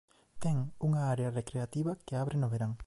Ten unha área recreativa que abre no verán.